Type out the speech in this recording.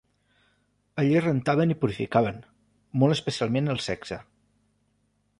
Allí es rentaven i purificaven, molt especialment el sexe.